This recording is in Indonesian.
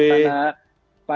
terima kasih rifana